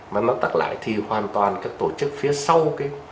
mà nó tắt lại thì hoàn toàn các tổ chức phía sau